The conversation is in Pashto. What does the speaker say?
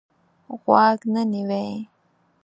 غوږ نه نیوی.